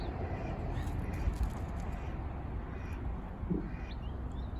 Ikulu imesema Samia Hassan ataongoza kikao cha baraza la mawaziri baada ya kulihutubia taifa